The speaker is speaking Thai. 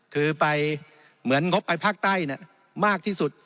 คือไปเหมือนงบไปภาคใต้มากที่สุด